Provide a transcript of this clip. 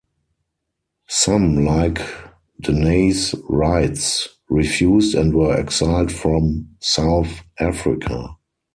Some, like Deneys Reitz, refused and were exiled from South Africa.